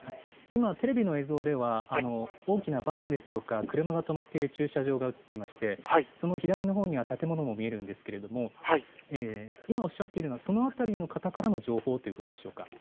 テレビでは大きなバス、車が止まっている駐車場が見えまして左のほうには建物も見えますが今おっしゃっているのはその辺りの方からの情報ということでしょうか。